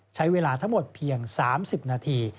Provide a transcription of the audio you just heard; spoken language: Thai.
ใช้เวลาทั้งหมดเพียง๓๐นาที